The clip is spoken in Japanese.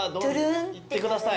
いってください。